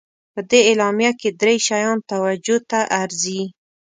په دې اعلامیه کې درې شیان توجه ته ارزي.